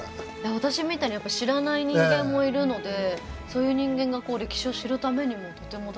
私みたいに知らない人間もいるのでそういう人間が歴史を知るためにもとても大事な。